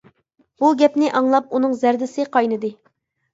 بۇ گەپنى ئاڭلاپ، ئۇنىڭ زەردىسى قاينىدى.